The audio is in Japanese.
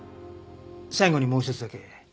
最後にもう一つだけ。